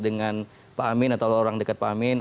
dengan pak amin atau orang dekat pak amin